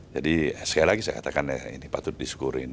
jadi sekali lagi saya katakan ini patut disyukurin